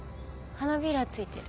花びら付いてる。